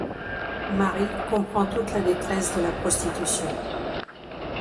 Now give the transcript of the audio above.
Marie comprend toute la détresse de la prostitution.